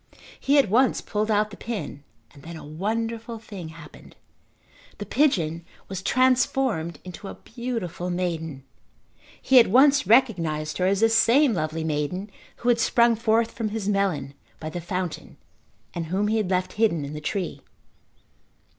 He at once pulled out the pin and then a wonderful thing happened. The pigeon was transformed into a beautiful maiden. He at once recognised her as the same lovely maiden who had sprung forth from his melon by the fountain and whom he had left hidden in the tree.